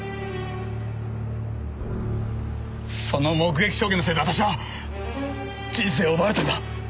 その目撃証言のせいで私は人生を奪われたんだ！